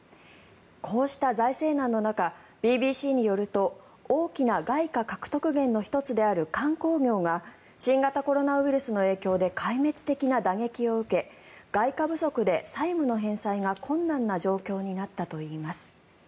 こうした財政難の中ＢＢＣによると大きな外貨獲得源の１つである観光業が新型コロナウイルスの影響で壊滅的な打撃を受け外貨不足で債務の返済が困難な状況になったといいます。